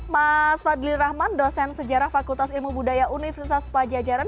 mas fadli rahman dosen sejarah fakultas ilmu budaya universitas pajajaran